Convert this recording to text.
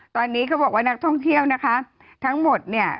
ตอนนี้เขาบอกว่านักท่องเที่ยวนะคะทั้งหมดเนี่ย